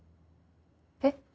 えっ。